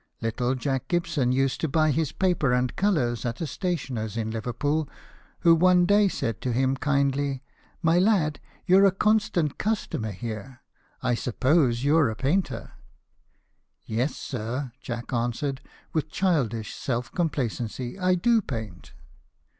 Little Jack Gibson used to buy his paper and colours at a sta tioner's in Liverpool, who one day said to him kindly, " My lad, you're a constant customer here : I suppose you're a painter." " Yes, sir," Jack answered, with childish self complacency, " I do paint."